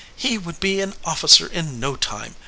He would be an officer in no time.